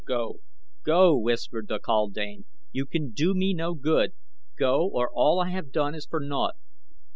"Go! Go!" whispered the kaldane. "You can do me no good. Go, or all I have done is for naught."